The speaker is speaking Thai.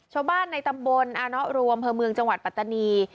ชาวบ้านในตำบลอรวมเผอร์เมืองจังหวัดปัตตานี